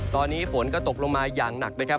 ตอนนี้ฝนก็ตกลงมาอย่างหนักนะครับ